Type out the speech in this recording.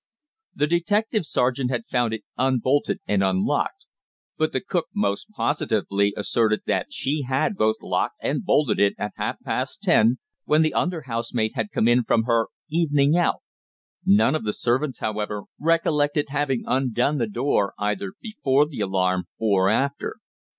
The detective sergeant had found it unbolted and unlocked, but the cook most positively asserted that she had both locked and bolted it at half past ten, when the under housemaid had come in from her "evening out." None of the servants, however, recollected having undone the door either before the alarm or after.